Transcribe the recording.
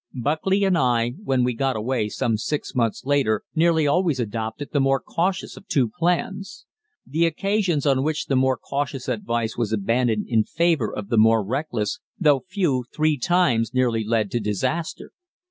Buckley and I, when we got away some six months later, nearly always adopted the more cautious of two plans. The occasions on which the more cautious advice was abandoned in favor of the more reckless, though few, three times nearly led to disaster.